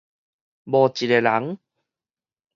無這个人